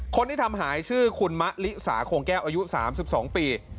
คนที่ทำหายชื่อคุณมะลิสาโครงแก้วอายุสามสิบสองปี